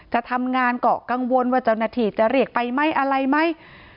จะทำงานเกาะกังวลว่าเจ้าหน้าที่จะเรียกไปไหมอะไรไหม